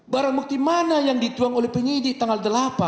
barang bukti mana yang dituang oleh penyidik tanggal delapan